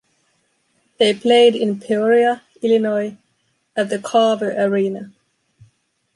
They played in Peoria, Illinois at the Carver Arena.